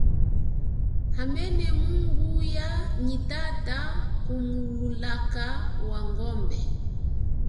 Hamene mungu ya nyi tata ku mulaka wa ngombe.